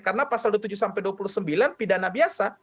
karena pasal dua puluh tujuh dua puluh sembilan pidana biasa